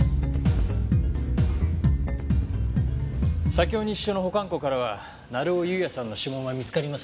左京西署の保管庫からは成尾優也さんの指紋は見つかりませんでした。